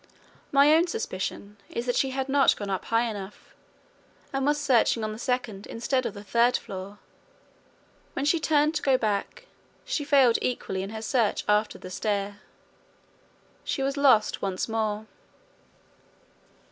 My own suspicion is that she had not gone up high enough, and was searching on the second instead of the third floor. When she turned to go back, she failed equally in her search after the stair. She was lost once more.